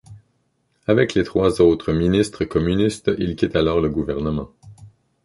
Avec les trois autres ministres communistes, il quitte alors le gouvernement.